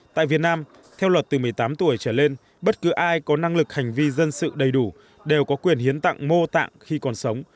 tại việt nam theo luật từ một mươi tám tuổi trở lên bất cứ ai có năng lực hành vi dân sự đầy đủ đều có quyền hiến tặng mô tạng khi còn sống